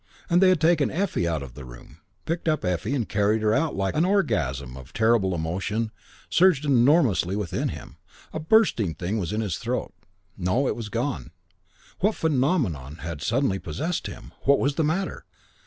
And they had taken Effie out of the room picked up Effie and carried her out like a an orgasm of terrible emotion surged enormously within him; a bursting thing was in his throat No, it was gone. What phenomenon had suddenly possessed him? What was the matter?